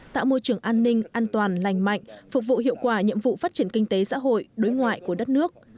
tạo môi trường an ninh an toàn lành mạnh phục vụ hiệu quả nhiệm vụ phát triển kinh tế xã hội đối ngoại của đất nước